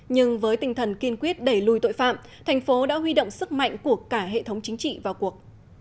nhưng với tinh thần kiên quyết đẩy lùi tội phạm thành phố đã huy động sức mạnh của cả hệ thống chính trị vào cuộc